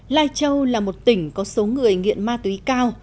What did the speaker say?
lai châu là một tỉnh có số người nghiện ma túy cao